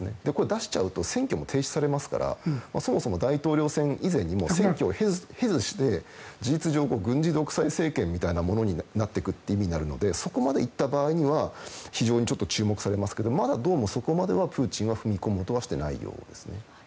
出しちゃうと選挙も停止されますからそもそも大統領選以前に選挙を経ずして事実上軍事独裁政権みたいなものになっていくという意味になるのでそこまでいった場合には非常に注目されますけどまだ、そこまではプーチンは踏み込もうとはしてないようですね。